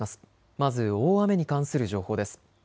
まず大雨に関する情報です。